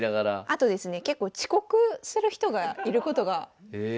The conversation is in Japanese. あとですね結構遅刻する人がいることが。え。